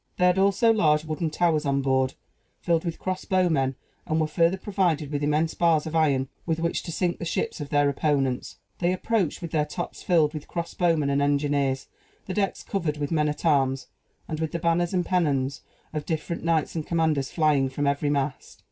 They had also large wooden towers on board, filled with cross bowmen, and were further provided with immense bars of iron, with which to sink the ships of their opponents. They approached, with their tops filled with cross bowmen and engineers, the decks covered with men at arms, and with the banners and pennons of different knights and commanders flying from every mast.